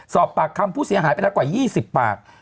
สอบปากคำผู้เสียหายไปแล้วกว่า๒๐ปาก